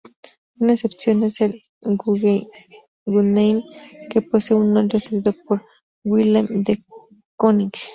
Una excepción es el Guggenheim, que posee un óleo cedido por Willem de Kooning.